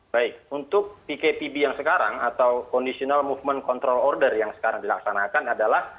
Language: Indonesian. baik untuk pktb yang sekarang atau conditional movement control order yang sekarang dilaksanakan adalah